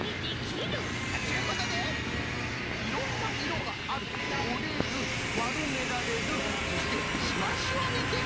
ちゅうことで「いろんないろがある」「おれる」「まるめられる」そして「しわしわにできる」。